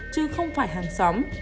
chứ không phải hàng xóm